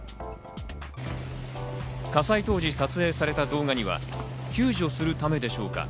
火災当時、撮影された動画には救助するためでしょうか？